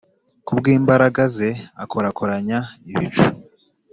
Ku bw’imbaraga ze, akorakoranya ibicu,